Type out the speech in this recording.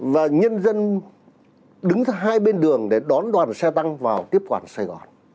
và nhân dân đứng thứ hai bên đường để đón đoàn xe tăng vào tiếp quản sài gòn